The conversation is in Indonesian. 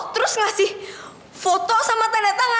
terus ngasih foto sama tanda tangan